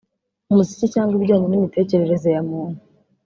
umuziki cyangwa ibijyanye n’imitekerereze ya muntu